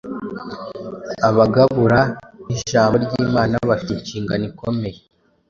Abagabura b’ijambo ry’Imana bafite inshingano ikomeye